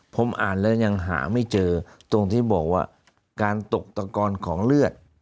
ผมอ่านแล้วยังหาไม่เจอตรงที่บอกว่าการตกตะกอนของเลือด